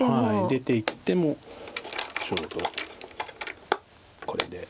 出ていってもちょうどこれで。